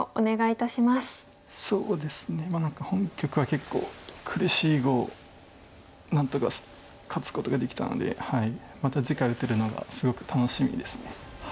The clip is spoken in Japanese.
そうですね本局は結構苦しい碁を何とか勝つことができたのでまた次回打てるのがすごく楽しみですね。